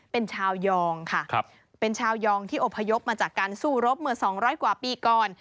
เป็นชาวยองค่ะเป็นชาวยองที่อพยพมาจากการสู้รบเมื่อ๒๐๐กว่าปีก่อน